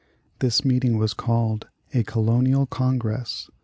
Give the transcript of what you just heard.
This meeting was called a Colonial Congress.